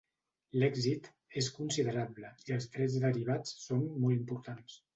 L'èxit és considerable i els drets derivats són molt importants.